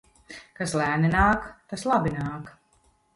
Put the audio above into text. Kas lēni nāk, tas labi nāk.